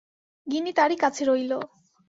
গিনি তারই কাছে রইল।